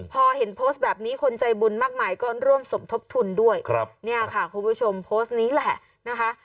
พอเห็นโพสต์แบบนี้คนใจบุญมากมายก็ร่วมสมทบทุนด้วยครับเนี่ยค่ะคุณผู้ชมโพสต์นี้แหละนะคะ